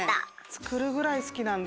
つくるぐらいすきなんだ。